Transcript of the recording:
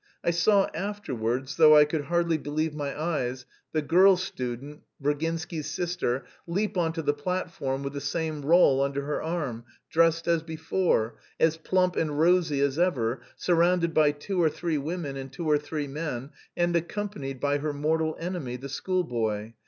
I saw afterwards, though I could hardly believe my eyes, the girl student (Virginsky's sister) leap on to the platform with the same roll under her arm, dressed as before, as plump and rosy as ever, surrounded by two or three women and two or three men, and accompanied by her mortal enemy, the schoolboy.